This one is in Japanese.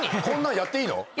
こんなんやっていいの？